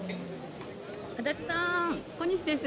足立さん、小西です。